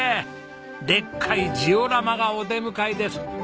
でっかいジオラマがお出迎えです！